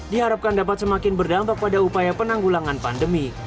diharapkan dapat semakin berdampak pada upaya penanggulangan pandemi